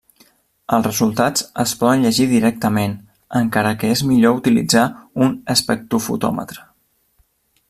Els resultats es poden llegir directament, encara que és millor utilitzar un espectrofotòmetre.